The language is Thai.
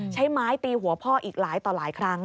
ใช้ไม้ตีหัวพ่ออีกหลายต่อหลายครั้ง